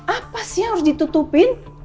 apa sih yang harus ditutupin